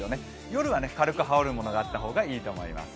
夜は軽く羽織るものがあった方がいいと思います。